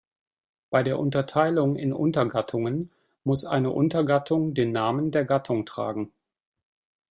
Bei der Unterteilung in Untergattungen muss eine Untergattung den Namen der Gattung tragen.